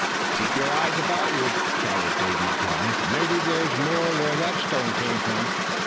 "KEEP your eyes about you!" shouted Davy Jones; "mebbe there's more where that stone came from!"